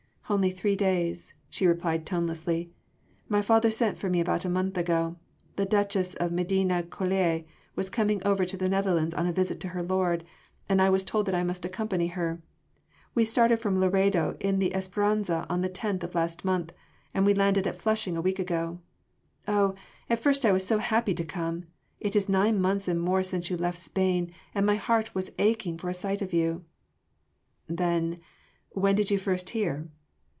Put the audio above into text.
"Only three days," she replied tonelessly. "My father sent for me about a month ago. The Duchess of Medina Coeli was coming over to the Netherlands on a visit to her lord, and I was told that I must accompany her. We started from Laredo in the Esperansa on the 10th of last month and we landed at Flushing a week ago. Oh! at first I was so happy to come ... it is nine months and more since you left Spain and my heart was aching for a sight of you." "Then ... when did you first hear?"